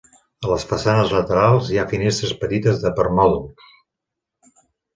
A les façanes laterals hi ha finestres petites de permòdols.